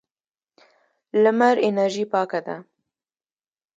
لمر انرژي پاکه ده.